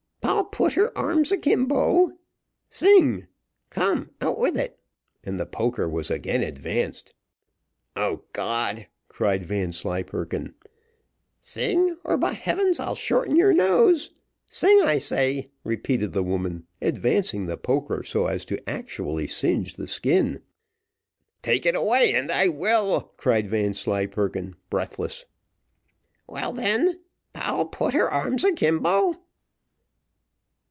"'Poll put her arms a kimbo.' Sing come, out with it." And the poker was again advanced. "O God!" cried Vanslyperken. "Sing, or by Heavens I'll shorten your nose! Sing, I say," repeated the woman, advancing the poker so as actually to singe the skin. "Take it away, and I will," cried Vanslyperken, breathless. "Well then, 'Poll put her arms a kimbo.'"